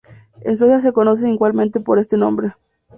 En Suecia se conocen igualmente por este nombre.